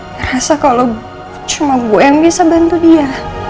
ngerasa kalo cuma gue yang bisa bantu dia